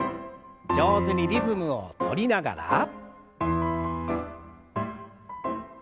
上手にリズムをとりながら。